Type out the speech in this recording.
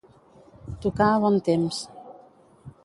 Tocar a bon temps.